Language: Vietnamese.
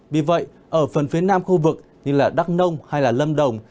vì vậy ở phần phía nam khu vực như là đắk nông hay là lâm đồng